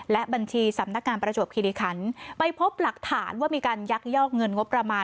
และบัญชีสำนักงานประจวบคิริคันไปพบหลักฐานว่ามีการยักยอกเงินงบประมาณ